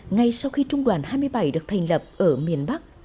ngay sau khi trung đoàn hai mươi bảy được thành lập ở miền bắc